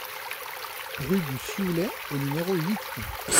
Rue du Sioulet au numéro huit